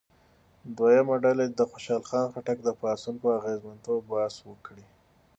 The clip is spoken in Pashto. دویمه ډله دې د خوشحال خان خټک د پاڅون په اغېزمنتوب بحث وکړي.